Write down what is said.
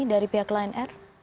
dari pihak lnr